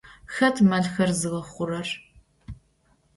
Xet melxer zığexhurer?